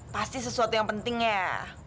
pasti sesuatu yang penting ya